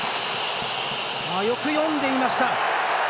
よく読んでいました！